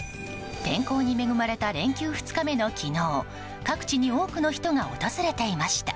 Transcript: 天候に恵まれた連休２日目の昨日各地に多くの人が訪れていました。